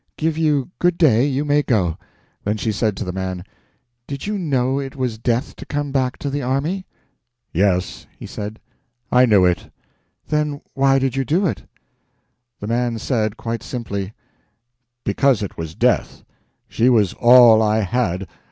Give you good day; you may go." Then she said to the man, "Did you know it was death to come back to the army?" "Yes," he said, "I knew it." "Then why did you do it?" The man said, quite simply: "Because it was death. She was all I had.